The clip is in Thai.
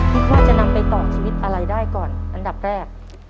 คิดว่าจะนำไปต่อชีวิตอะไรได้ก่อนอันดับแรก